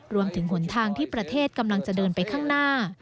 หนทางที่ประเทศกำลังจะเดินไปข้างหน้า